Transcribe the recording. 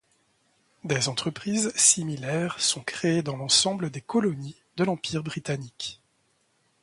Des entreprises similaires sont créées dans l'ensemble des colonies de l'empire britannique.